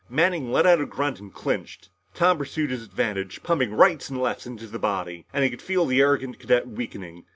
Manning let out a grunt and clinched. Tom pursued his advantage, pumping rights and lefts to the body, and he could feel the arrogant cadet weakening.